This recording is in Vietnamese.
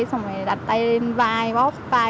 xong rồi đặt tay lên vai bóp vai